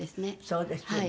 そうですよね。